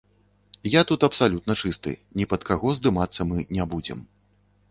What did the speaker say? Я тут абсалютна чысты, ні пад каго здымацца мы не будзем.